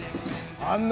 あんな